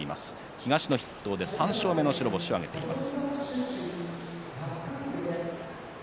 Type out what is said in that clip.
東の筆頭で３勝目の白星を挙げています。